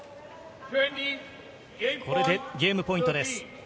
これでゲームポイントです。